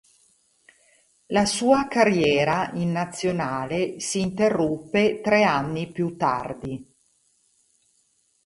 La sua carriera in Nazionale si interruppe tre anni più tardi.